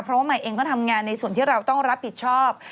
เพราะว่าใหม่เองก็ทำงานในส่วนที่เราต้องรับผิดชอบ